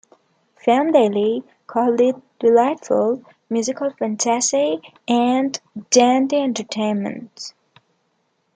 "Film Daily" called it "delightful musical fantasy" and "dandy entertainment".